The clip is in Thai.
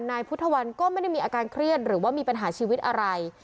นายพุทธวันก็ไม่ได้มีอาการเครียดหรือว่ามีปัญหาชีวิตอะไร